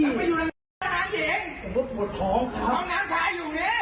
ผมก็ปวดท้องครับ